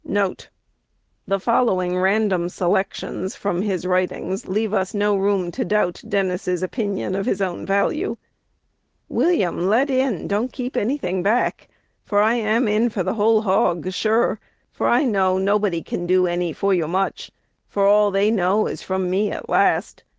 1 The following random selections from his writings leave us no room to doubt Dennis's opinion of his own value: "William, let in, don't keep any thing back, for I am in for the whole hog sure; for I know nobody can do any for you much, for all they know is from me at last.